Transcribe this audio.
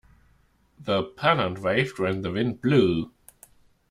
The pennant waved when the wind blew.